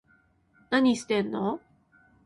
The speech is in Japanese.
何してんの